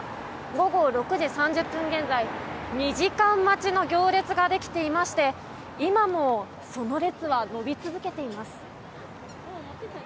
午後６時３０分現在２時間待ちの行列ができていまして今もその列は延び続けています。